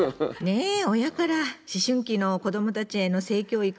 ね親から思春期の子どもたちへの性教育